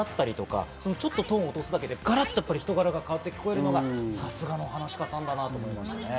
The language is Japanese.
まざったり、ちょっとトーンを落とすだけでガラっと人柄が変わっていくっていうのがさすがの噺家さんだなと思いましたね。